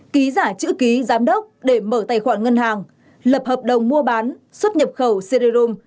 ký giả chữ ký giám đốc để mở tài khoản ngân hàng lập hợp đồng mua bán xuất nhập khẩu siler